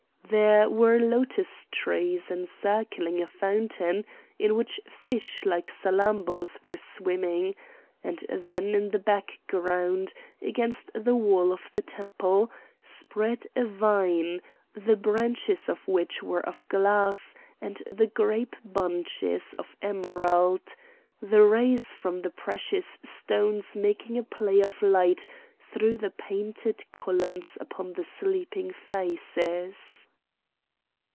There were lotus trees encircling a fountain in which fish like Salammbô's were swimming; and then in the background, against the wall of the temple, spread a vine, the branches of which were of glass and the grape bunches of emerald, the rays from the precious stones making a play of light through the painted columns upon the sleeping faces.